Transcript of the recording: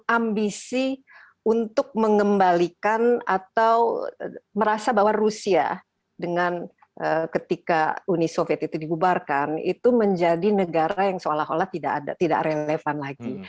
ambisi untuk mengembalikan atau merasa bahwa rusia dengan ketika uni soviet itu dibubarkan itu menjadi negara yang seolah olah tidak relevan lagi